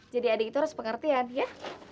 jadi adek itu harus pengertian ya